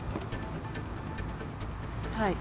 はい。